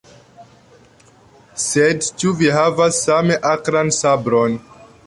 Sed ĉu vi havas same akran sabron?